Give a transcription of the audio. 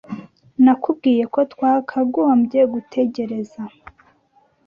Nakubwiye ko twakagombye gutegereza .